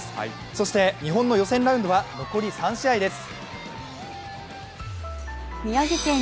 そして日本の予選ラウンドは残り３試合です。